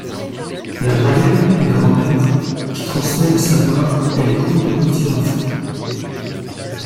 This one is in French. La doyenne et grand-mère, qui transmet le savoir et les contes aux petits enfants.